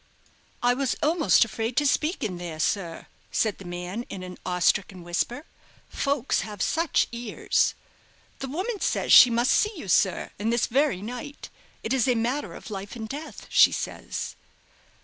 "I was almost afraid to speak in there, sir," said the man, in an awe stricken whisper; "folks have such ears. The woman says she must see you, sir, and this very night. It is a matter of life and death, she says."